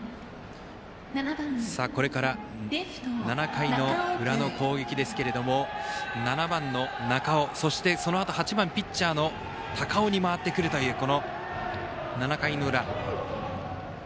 これから７回の裏の攻撃ですけれども７番の中尾そして８番、ピッチャーの高尾に回ってくるという７回の裏。